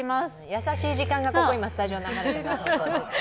優しい時間が今、スタジオにも流れています